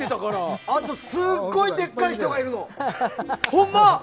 あとすごいでっかい人がいるの！